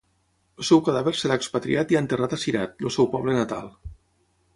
El seu cadàver serà expatriat i enterrat a Cirat, el seu poble natal.